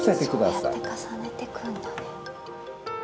そうやって重ねてくんだね。